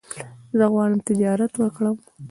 زه غواړم تجارت وکړم